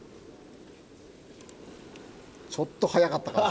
ちょっと早かったかも。